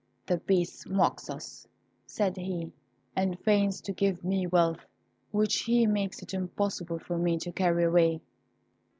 "The Beast mocks us," said he, "and feigns to give me wealth, which he makes it impossible for me to carry away."